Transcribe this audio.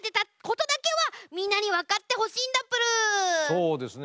そうですね。